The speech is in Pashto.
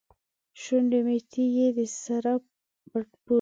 شونډې مې تږې ، دسراب په پولو